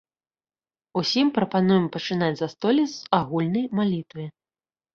Усім прапануем пачынаць застолле з агульнай малітвы.